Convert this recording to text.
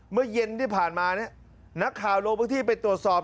เมื่อเย็นที่ผ่านมาเนี่ยนักข่าวลงพื้นที่ไปตรวจสอบ